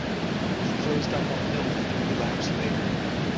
He closed up on Hill three laps later.